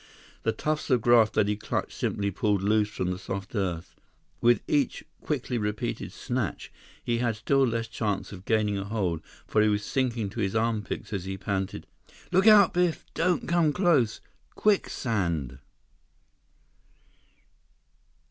The tufts of grass that he clutched simply pulled loose from the soft earth. With each quickly repeated snatch, he had still less chance of gaining a hold, for he was sinking to his armpits as he panted: "Look out, Biff! Don't come close! Quicksand!"